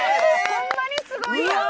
ホンマにすごいやん！